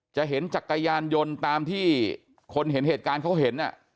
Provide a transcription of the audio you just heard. จะเห็นจักรยานยนต์ตามที่คนเห็นเหตุการณ์เขาเห็น